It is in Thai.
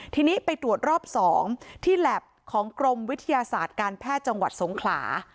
ทีนี้ไปตรวจรอบ๒ที่แล็บของกรมวิทยาศาสตร์การแพทย์จังหวัดสงขลา